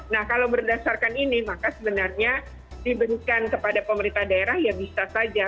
nah kalau berdasarkan ini maka sebenarnya diberikan kepada pemerintah daerah ya bisa saja